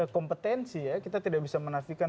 kompetensi ya kita tidak bisa menafikan